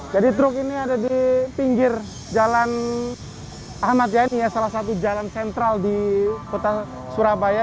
jadi truk ini ada di pinggir jalan ahmad yani salah satu jalan sentral di kota surabaya